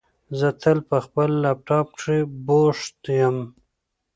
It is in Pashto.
زه تل په خپل لپټاپ کېښې بوښت یم